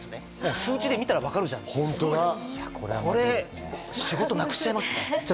数字で見たら分かるじゃんって、これ仕事なくしちゃいますね。